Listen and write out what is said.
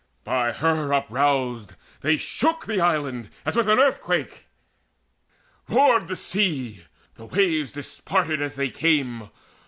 By her uproused They shook the island as with earthquake: roared The sea; the waves disparted as they came.